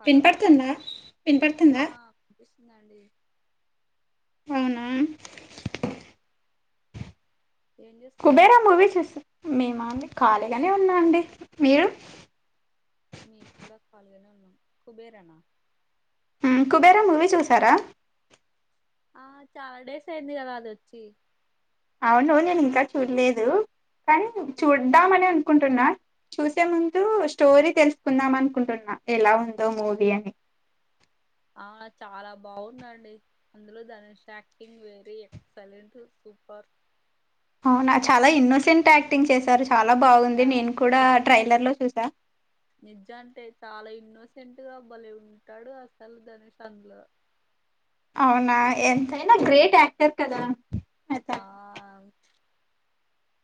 Hello విన్పడుతుందా విన్పడుతుందా ండి అవునా ఏం కుబేర చేస్తున్నారు మూవీ చూస్త మేమా ఖాళీగానే ఉన్నా అండి మీరు నేను కూడా కాల్గానే ఉన్నాం కుబేర ఆ కుబేర మూవీ చూసారా ఆ చాలా డేస్ అయింది కదా అదిొచ్చి అవును నేను ఇంకా చూడలేదు కానీ చూడదామ అని అనుకుంటున్నా చూసే ముందు స్టోరీ తెలుసుకుందాం అనుకుంటున్నా ఎలా ఉందో మూవీ అని ఆ చాలా బాగుందండి అందులో ధనుష్ యాక్టింగ్ వెేరీ ఎక్సలెంట్ పర్ అవునా చాలా ఇన్నోసెంట్ యాక్టింగ్ చేశారు చాలా బాగుంది చా నేను కూడా నిజంటే ట్రైలర్లో చూసా రీసెంట్గా బలే ఉంటాడు అసలు ధనుష్ అందులో అవునా ఎంతైనా గ్రేట్ యాక్టర్ కదా ఆ అతను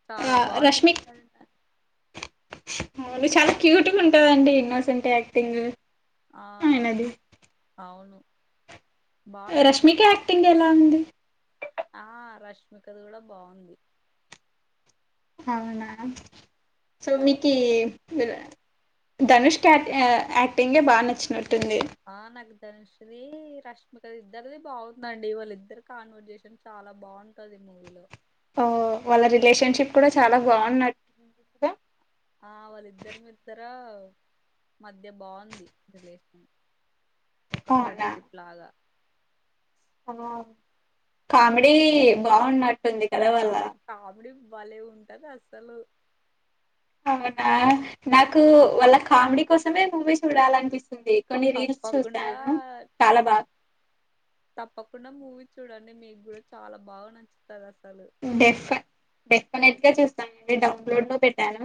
చాలా బాగా నచ్చతడి మలి చాలా క్యూట్గా ఉంటందండి ఇన్నోసెంటే యాక్టింగ్ ఆ ఆయనది అవును బాగా రష్మిక నచ్చుతాడు యాక్టింగ్ ఎలా ఉంది ఆ రష్మిక ది కూడా బాగుంది అవునా సో మీకి ధనుష్ క యాక్టింగే బాగా నచ్చినట్టుంది ఆ నాకు ధనుష్ది రష్మిక ఇద్దరిది బాగుందండి వాళ్ళ ఇద్దరు కాన్వర్జేషన్ చాల చాలా బాగుంటది ఈ మూవీలో ఆ వాళ్ళ రిలేషన్షిప్ కూడా చాలా బాగున్నట్టు ఆ వాళ్ళిద్దరు మీత్తరా మధ్య బాగుంది రిలేషన్ ఒక అవునా ఫ్రెండ్షిప్ లాగా కామెడీ బాగున్న ఆ కామెడీ భలే ఉంటది అసలు అవునా నాకు వాళ్ళ కామెడీ కోసమే మూవీ చూడాలనిపిస్తుంది కొన్ని రీల్స్ తప్పకుండా చూశాను చాలా బాగా తప్పకుండా మూవీ చూడండి మీకు కూడా చాలా బాగా నచ్చుతారు డెఫ డెఫినెట్గా చూస్తానండి డౌన్లోడ్ లో పెట్టాను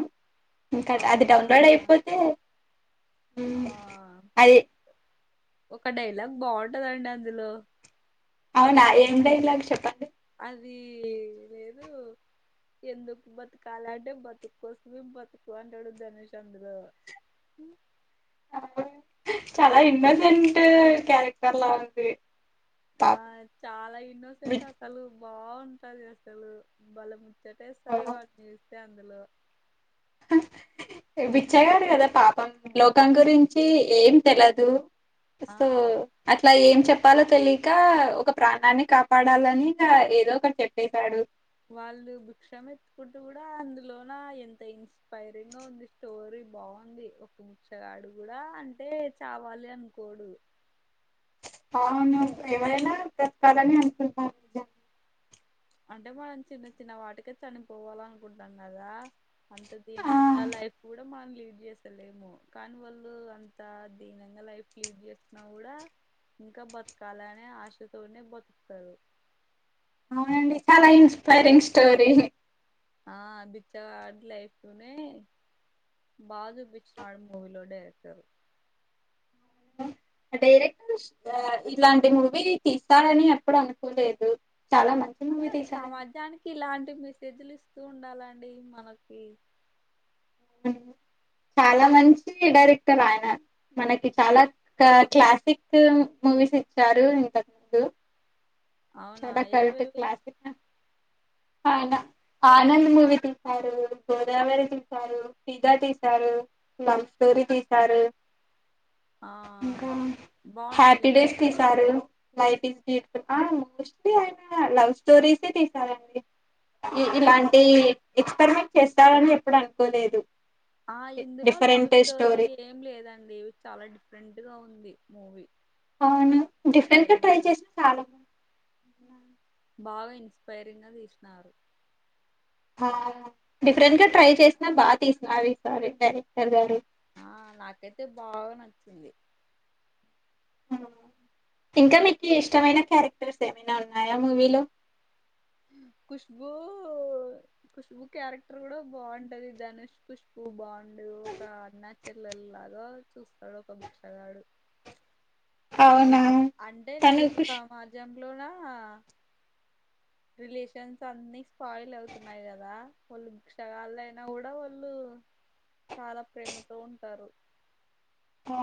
ఇంకా అది అవునా డౌన్లోడ్ అయిపోతే ఆ అది ఒక డైలాగ్ బాగుంటదండి అందులో అవునా ఏం డైలాగ్ చెప్ప అది లేదు ఎందుకు బతుకాల అంటే బతుకు కోసమే బతుకు అంటాడు ధనుష్ అందులో హ చాలా ఇన్నోసెంట్ క్యారెక్టర్ లా ఉంది ఆ పాపం చాలా ఇన్నోసెంట్ బి- అసలు బాగుంటది అసలు బలము ఆ, ముచ్చటేస్తది వాళ్లని చూస్తే అందులో హు బిచ్చగడు కదా పాపం లోకం గురించి ఏం తెలిదు ఆ సో ఇలా ఏం చెప్పాలో తెలియక ఒక ప్రాణాన్ని కాపాడాలని ఏదో ఒకటి చెప్పేశాడు వాళ్ళు భిక్షం ఎత్కుంటూ కూడా అందులోన ఎంత ఇన్స్పైరింగ్ గా ఉంది స్టోరీ బాగుంది ఒక బిచ్చగాడు కూడా అంటే చావాలి అనుకోడు అవును ఎవరైనా బ్రతకాలని అనుకుంటారు నిజా అంటే మనం చిన్న చిన్న వాటికే చనిపోవాలనుకుంటాం కదా అంత ఆ దీనంగా లైఫ్ కూడా మ లీడ్ చేసిలులేమో కానీ వాళ్ళు అంత దీనంగా లైఫ్ లీడ్ చేస్తున్నా కూడా ఇంకా బతకాలనే ఆశతోనే బతుకుతరు అవునండి చాలా ఇన్స్పైరింగ్ స్టోరీ ఆ బిచ్చగాడి లైఫ్ నే బా చూపించినాడు మూవీలో డైరెక్టర్ డైరెక్టర్స్ ఇలాంటి మూవీ తీస్తారని ఎప్పుడు అనుకోలేదు చాలా మంచి ఆ, మూవీ తీసారండి సమాజానికి ఇలాంటి మెసేజ్లు ఇస్తూ ఉండాలండి మనకి ఉ చాలా మంచి డైరెక్టర్ ఆయన మనకి చాలా క్లాసిక్ మూవీస్ ఇచ్చారు ఇంతకు ముందు అవునా చాలా కరెక్ట్ ఏవేవి క్లాసిక్ ఆయన ఆనంద్ మూవీ తీసారు గోదావరి తీసారు ఫిదా తీసారు లవ్ స్టోరీ తీశారు ఆ ఇంకా హ్యాపీ బాగున్నాయిలేండి డేస్ తీసారు లైఫ్ ఇస్ బ్యూటిఫుల్ ఏమో మోస్ట్లీ ఆయనా లవ్ స్టోరీస్ ఏ తీసారండి ఇ ఇలాంటి ఎక్స్పరిమెంట్ చేస్తాడని ఎప్పుడు అనుకోలేదు ఆ ఇందులో లవ్ స్టోరీ ఏం లేదండి ఇ చాలా డిఫరెంట్ గా ఉంది మూవీ అవును డిఫరెంట్ గా ట్రై చేసిన చాలా బావుంది బాగా ఇన్స్పైరింగ్ గా తీసినారు డిఫరెంట్ గా ట్రై చేసినా బాగా తీసినారు ఈ సారీ డైరెక్టర్ గారు ఆ నాకైతే బాగా నచ్చింది ఇంకా మీకు ఇష్టమైన క్యారెక్టర్స్ ఏమైనా ఉన్నాయా మూవీలో ఉ కుష్బూ కుష్బూ క్యారెక్టర్ కూడా బాగుంటది ధనుష్ కుష్బూ బాగుంటంది అండు ఒక అన్నా చెల్లల్లాగొ చూస్తాడు ఒక భిక్షగాడు అవునా అంటే తను నేటి కుష్ సమాజంలోనా రిలేషన్స్ అన్ని స్పాయిల్ అవుతున్నాయి కదా వాళ్ళు భిక్షగాళ అయినా కూడా వాళ్ళు చాలా ప్రేమతో ఉంటారు ఆ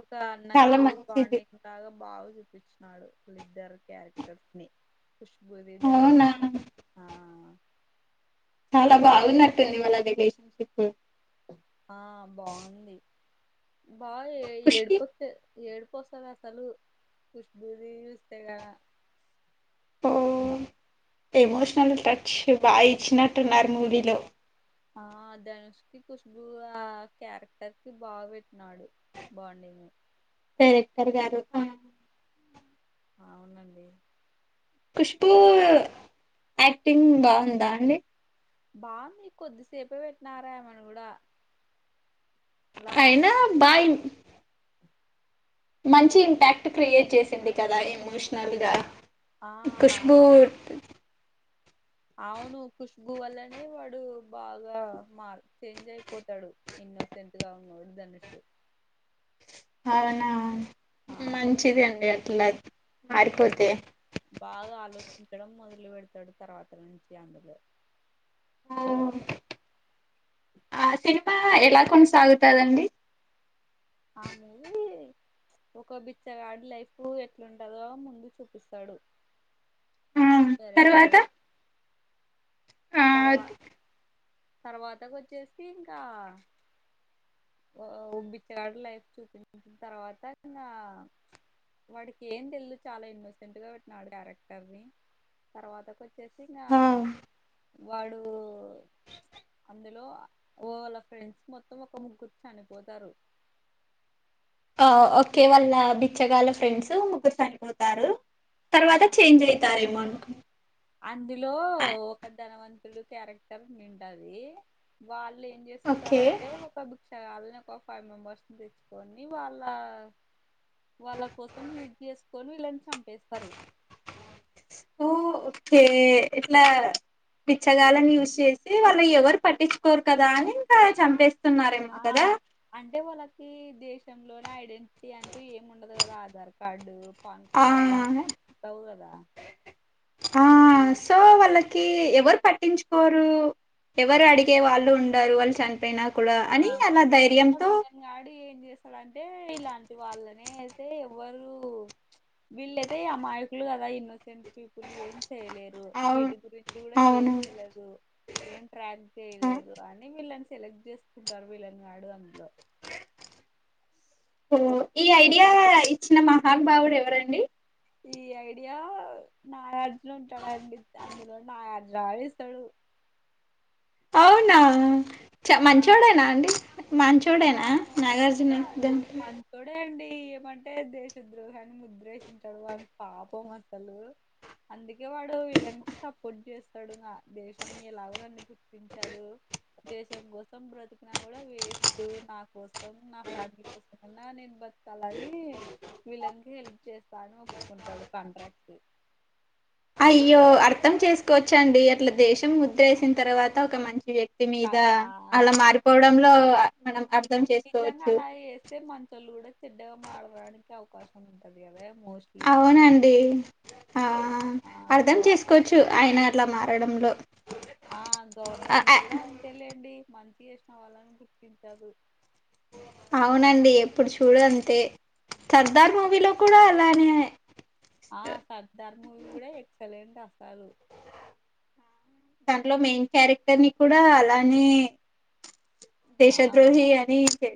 ఒక అన్నా చాలా చెల్ల మంచిది బాండిగ్ లాగా బాగుంది చూపించినాడు వాలిద్దర్ క్యారెక్టర్స్ ని కుష్బూది దని అవునా ఆ చాలా బాగున్నట్టుంది వాళ్ళ రిలేషన్షిప్ బా ఏ కుష్కి ఏడిపోచ్చ ఏడిపోస్తది అసలు కుష్బూది చూస్తే కద ఎమోషనల్ టచ్ బాగా ఇచ్చినట్టున్నారు మూవీలో ఆ ధనుష్ కి కుష్బూ ఆ క్యారెక్టర్ కి బాగా పెట్టినాడు బాండింగ్ ఉ డైరెక్టర్ గారు ఆ అవునండి ఖుష్బూ యాక్టింగ్ బాగుందా అండి బావుంది కొద్దిసేపె పెట్టినారె ఆమని కూడా లాస్ట్ అయినా బాయిన్ మంచి ఇంపాక్ట్ క్రియేట్ చేసింది కదా ఎమోషనల్ గా ఆ కుష్బూ అవును ఖుష్బు వల్లనే వాడు బాగా మార్ చేంజ్ అయిపోతాడు ఇన్నోసెంట్ గా ఉన్నోడు దనుషు అవునా ఆ మంచిది అండి అట్లా మారిపోతే బాగా ఆలోచించడం మొదలు పెడతాడు తర్వాత నుంచి అందులో ఓ ఆ సినిమా ఎలా కొనసాగుతదండి ఆ మీ ఒక బిచ్చగాడి లైఫ్ ఎట్లుంటదో ముందు చూపిస్తాడు ఆ క్యారెక్టరు తర్వాత ఆ తర్వా తర్వాతకి వచ్చేసి ఇంకా ఓ బిచ్చగాడి లైఫ్ చూపించిన తర్వాత ఇంగ వాడికి ఏం తెలిదు చాలా ఇన్నోసెంట్ గా పెట్టినడు డ్యారెక్టర్ ని తర్వాత వచ్చేసి ఇంకా వాడు అందులో ఓళ్ళ ఫ్రెండ్స్ మొత్తం ఒక ముగ్గురు చనిపోతారు ఆ ఓకే వాళ్ళ బిచ్చగాల ఫ్రెండ్స్ ముగ్గురు చనిపోతారు ఆ తర్వాత చేంజ్ అయితారేమోనకు అయ్ డు క్యారెక్టర్ నింటది వాళ్ళు ఏం ఓకే చేస్తుంటారంటే ఒక గు వాళ్లే ఒక ఫైవ్ మెంబర్స్ ని తెచ్చుకొని వాళ్ల వాళ్ళ కోసం యూజ్ చేసుకొని వీళ్ళని చంపేస్తారు ఓ ఓకే ఎట్లా బిచ్చగాళ్ళని యూస్ చేస్తే వాళ్ళు ఎవరు పట్టించుకోరు కదా అని ఇంకా చంపేస్త ఆ అంటే వాళ్ళకి దేశంలోనే ఐడెంటిటీ అంటూ ఏమి ఉండదు కదా ఆధార్ కార్డు పాన్ ఆ కార్డ్ అట్లాంటివి ఉండవు కదా ఆ సో వాళ్ళకి ఎవరు పట్టించుకోరు ఎవరు అడిగే వాళ్ళు ఉండరు వాళ్ళు చనిపోయినా ఆ కూడా అని అలా ఆ ధైర్యంతో వీళ్ళని గాడు ఏం చేస్తాడంటే ఇలాంటి వాళ్ళనే అయితే ఎవరు వీళ్ళైతే అమాయ కులు కదా ఇన్నోసెంట్ పీపుల్ ఏం చేయలేరు అవును వీటి గురించి కూడా ఏం అవును తెలిదు ఏం ట్రాక్ చేయలేరు అని వీళ్ళని సెలెక్ట్ చేసుకుంటారు వీళ్ళని వాడు అందులో ఓ ఈ ఐడియా ఇచ్చిన మహానుభావుడు ఎవరండి ఈ ఐడియా నాగార్జున ఉంటాడు అందులో నాగార్జున ఇస్తాడు అవునా చ ఆ మంచోడేనా అండి మా మంచోడేనా ఆయన నాగార్జున దె మంచోడే అండి ఏమంటే దేశ ద్రోహి అని ముద్రేశింటారు వాని పాపం అసలు అందుకే వాడు వీళ్ళని సపోర్ట్ చేస్తాడు ఇక దేశం ఎలాగో నన్ను గుర్తించదు దేశం కోసం బ్రతికినా కూడా వేస్ట్ ఉమ్ నా కోసం నా ఫ్యామిలీ కోసం అన్నా నేను బతకాలని వీళ్ళకి హెల్ప్ చే తనే ఒప్పుకుంటాడు కాంట్రాక్ట్ అయ్యో అర్థం చేసుకోవచ్చండి అట్లా దేశం ముద్రేసిన తర్వాత ఒక మంచి వ్యక్తి వ్యక్తి మీద కదా అలా మారిపోవడంలో మనం అర్థం నిజంగా చేసుకోవచ్చు. అలా వేస్తే మంచోళ్ళు కూడా చెడ్డగా మారడానికి అవకాశం ఉంటది కదా మోస్ట్లీ అవునండి ఆ ఆ అర్ధం గవర్ చేసుకోవచ్చు ఆయన అట్లా మ రడంలో ఆ గవర్నమెంట్ కూడా అంతేలేండి మంచి చేసిన వాళ్ళని గుర్తించదు అవునండి ఏప్పుడు చూడంతే సర్దార్ మూవీలో కూడా అలానే ఆ సర్దార్ మూవీ కూడా ఎక్సలెంట్ అసలు దాంట్లో మెయిన్ క్యారెక్టర్ ని కూడా అలానే ఆ దేశద్రోహి అని చే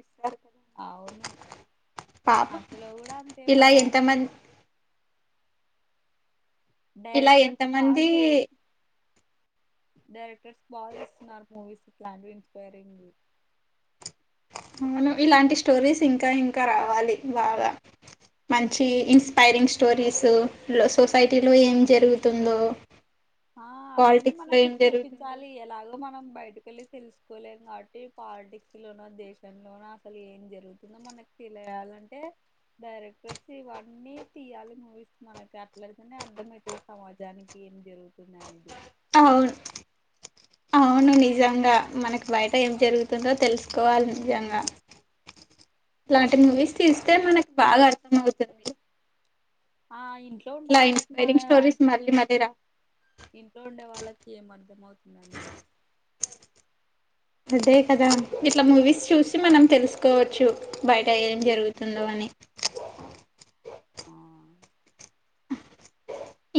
అవును పాపం అంతలో కూడా అంతే ఇలా మరా ఎంత మంది ఇలా ఎంత డైరెక్టర్స్ మంది బాగా డైరెక్టర్స్ బాగా ఇస్తున్నారు మూవీస్ ఇట్లాంటివి ఇన్స్పైరింగ్ అవును ఇలాంటి స్టోరీస్ ఇంకా ఇంకా రావాలి బాగా మంచి ఇన్స్పైరింగ్ స్టోరీస్ సొసైటీలో ఏం జరుగుతుందో ఆ అవన్నీ పాలిటిక్స్ లో మనకి ఏం జరుగుతుందో చూపించాలి ఎలాగో మనం బయటకెళ్లి తెలుసుకోలేం కాబట్టి పాలిటిక్స్ లోన దేశంలోన అసలు ఏం జరుగుతుందో మనకు తెలియాలి అంటే డైరెక్టర్స్ ఇవన్నీ తీయాలి మూవీస్ మనకు అట్లయితేనే అర్థమయితది సమాజానికి ఏం జరుగుతుందనేది అవున్ అవును నిజంగా మనకి బయట ఏం జరుగుతుందో తెలుసుకోవాలి నిజంగా ట్లాంటి మూవీస్ తీస్తే మనకి బాగా అర్థం అవుతుంది ఆ ఇంట్లో ఉండే ఇట్ల వాళ్ళకి ఇన్స్పయిరింగ్ మన స్టోరిస్ లాంటి మల్లీ మధ్య రా ఇంట్లో ఉండే వాళ్ళకి ఏం అర్థం అవుతుందండి అదే కదా ఇట్ల మూవీస్ చూసి మనం తెలుసుకోవచ్చు బయట ఏం జరుగుతుందో అన్ ని ఆ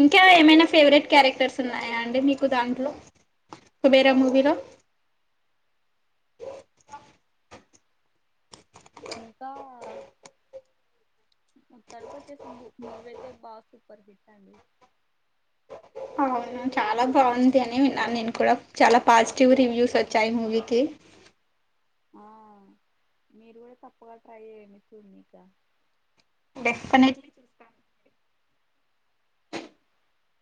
ఇంకా ఏమైనా ఫేవరెట్ క్యారెక్టర్స్ ఉన్నాయా అండి మీకు దాంట్లో కుబేరా మూవీలో అ [inaudible] మొత్తానికొచ్చేసి మూవీ అయితే బాగా సూపర్ హిట్ అండి అవును చాలా బావుంది అని విన్నాను నేను కూడా చాలా పాజిటివ్ రివ్యూస్ వచ్చాయి మూవీకి [inaudible] ఆ మీరు గూడ తప్పగా ట్రై చేయండి చూడనీకా డెఫ్ఫనెట్లీ చూస్తా అ [inaudible]